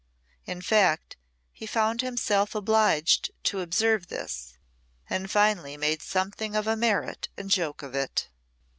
In fact, he found himself obliged to observe this, and finally made something of a merit and joke of it.